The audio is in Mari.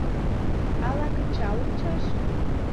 Ала кычал ончаш?